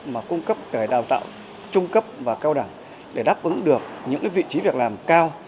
mà cung cấp đào tạo trung cấp và cao đẳng để đáp ứng được những vị trí việc làm cao